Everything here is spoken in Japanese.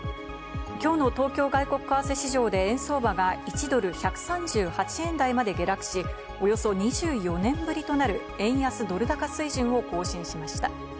今日の東京外国為替市場で円相場が１ドル＝１３８円台まで下落し、およそ２４年ぶりとなる円安ドル高水準を更新しました。